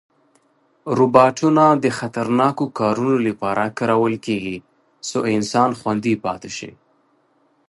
روباټونه د خطرناکو کارونو لپاره کارول کېږي، څو انسان خوندي پاتې شي.